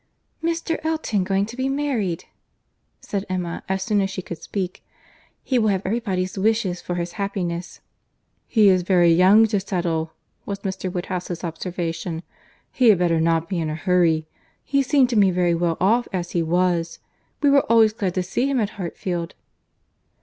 "Mr. Elton going to be married!" said Emma, as soon as she could speak. "He will have every body's wishes for his happiness." "He is very young to settle," was Mr. Woodhouse's observation. "He had better not be in a hurry. He seemed to me very well off as he was. We were always glad to see him at Hartfield."